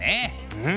うん。